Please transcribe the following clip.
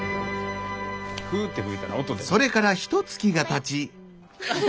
それからひとつきがたち。